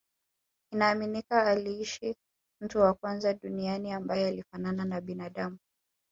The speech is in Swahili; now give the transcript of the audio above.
Inaaminika aliishi mtu wa kwanza duniani ambae alifanana na binadamu